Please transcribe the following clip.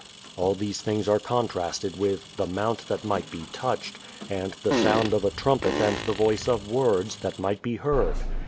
All these things are contrasted with "the mount that might be touched" and "the sound of a trumpet and the voice of words" that might be heard.